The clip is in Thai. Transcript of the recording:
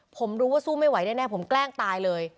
ผมรู้ว่าสู้ไม่ไหวแน่ผมแกล้งตายเลย